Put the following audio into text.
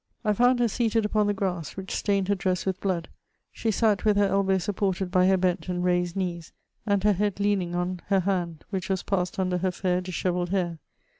I found her seated upon the grass, which stained her dress with blood ; she sat with her elbow supported by her bent and raised knees, and her head leaning on ner hand, which was passed under her fair dishevelled hair.